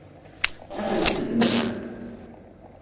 Ad tent-teddmem?